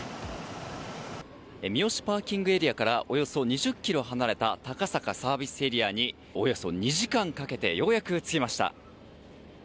三芳ＰＡからおよそ２０ｋｍ離れた高坂ＳＡにおよそ２時間かけてようやく着きました。